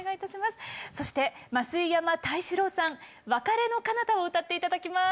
そして増位山太志郎さん「別れの彼方」を歌って頂きます。